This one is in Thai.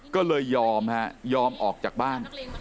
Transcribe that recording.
ก็เลยยอมฮะยอมออกจากบ้าน